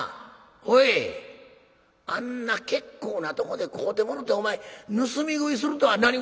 「おいあんな結構なとこで飼うてもろてお前盗み食いするとは何ごっちゃ！」。